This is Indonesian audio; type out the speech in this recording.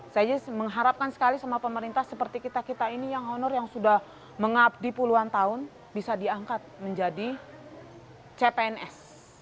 saya mengharapkan sekali sama pemerintah seperti kita kita ini yang honor yang sudah mengabdi puluhan tahun bisa diangkat menjadi cpns